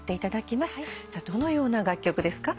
どのような楽曲ですか？